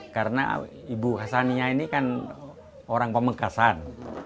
karena ibu hassaniyah ini kan orang pemekasan